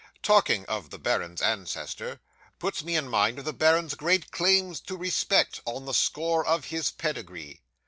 'Talking of the baron's ancestor puts me in mind of the baron's great claims to respect, on the score of his pedigree.